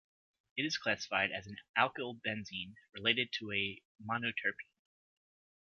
It is classified as an alkylbenzene related to a monoterpene.